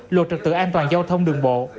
luật trực tự an toàn giao thông đường bộ